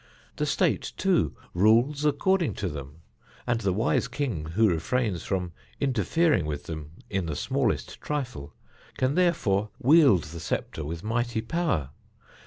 The state, too, rules according to them, and the wise king who refrains from interfering with them in the smallest trifle can therefore wield the sceptre with mighty power.